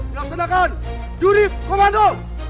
melaksanakan jurit komando